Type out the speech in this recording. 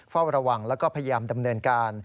เฝ้าระวังแล้วก็พยายามดำเนินการ